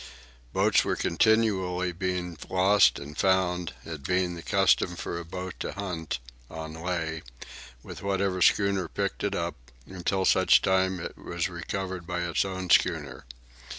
Boats were continually being lost and found, it being the custom for a boat to hunt, on lay, with whatever schooner picked it up, until such time it was recovered by its own schooner.